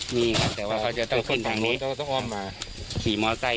มีครับแต่ว่าเขาจะต้องขึ้นทางนู้นเขาก็ต้องอ้อมมาขี่มอไซค